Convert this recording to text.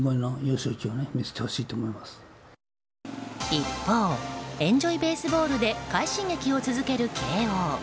一方エンジョイ・ベースボールで快進撃を続ける慶応。